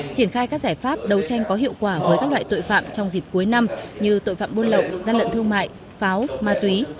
triển khai các giải pháp đấu tranh có hiệu quả với các loại tội phạm trong dịp cuối năm như tội phạm buôn lậu gian lận thương mại pháo ma túy